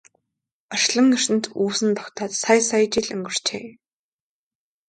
Орчлон ертөнц үүсэн тогтоод сая сая жил өнгөрчээ.